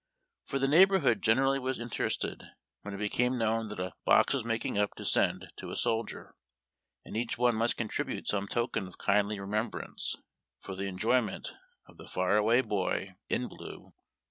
For the neighborhood generally was interested when it became known that a box was making up to send to a soldier, and each one must contribute some token of kindly remembrance, for the enjojanent of the far away boy in SPECIAL RATIONS. 219 blue.